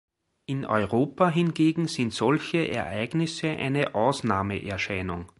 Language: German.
In Europa hingegen sind solche Ereignisse eine Ausnahmeerscheinung.